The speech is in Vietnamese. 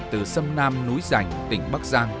từ sâm nam núi rành tỉnh bắc giang